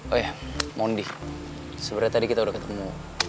oh ya mondi sebenarnya tadi kita udah ketemu